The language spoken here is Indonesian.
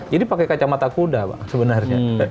jadi pakai kacamata kuda pak sebenarnya